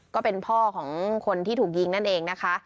ก็เป็นพ่อของคนที่ถูกยิงนั่นเองนะคะ